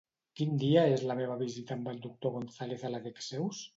Quin dia és la meva visita amb el doctor González a la Dexeus?